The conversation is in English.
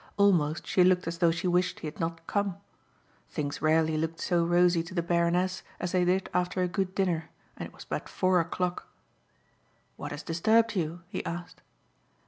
Almost she looked as though she wished he had not come. Things rarely looked so rosy to the Baroness as they did after a good dinner and it was but four o'clock. "What has disturbed you?" he asked.